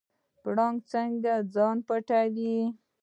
پړانګ څنګه ځان پټوي؟